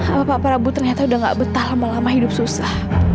bapak prabu ternyata udah gak betah lama lama hidup susah